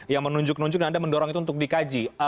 yang menunjuk nunjuk dan anda mendorong itu untuk dikaji